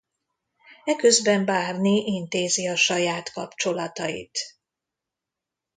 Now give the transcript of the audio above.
Eközben Barney intézi a saját kapcsolatait.